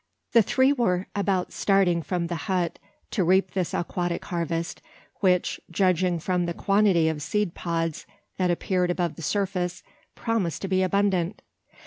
The three were about starting from the hut to reap this aquatic harvest which, judging from the quantity of seed pods that appeared above the surface, promised to be abundant.